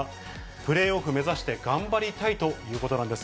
プレーオフ目指して頑張りたいということなんです。